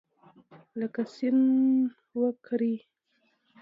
لکه سیند وکرې